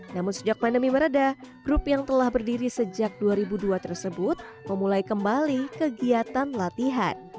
namun sejak pandemi meredah grup yang telah berdiri sejak dua ribu dua tersebut memulai kembali kegiatan latihan